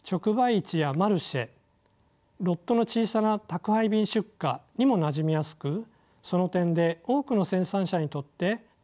市やマルシェロットの小さな宅配便出荷にもなじみやすくその点で多くの生産者にとって取り組みやすいと言えます。